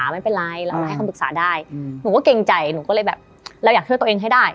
ไม่เป็นไรเราให้คำปรึกษาได้หนูก็เกรงใจหนูก็เลยแบบเราอยากช่วยตัวเองให้ได้